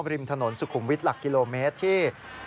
ริมถนนสุขุมวิทย์หลักกิโลเมตรที่